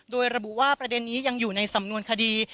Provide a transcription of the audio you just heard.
โดยระบุว่าประเด็นนี้ยังอยู่ในสำนวนคดี